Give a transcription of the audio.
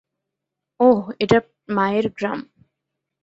ওহ, এটা মায়ের গ্রাম।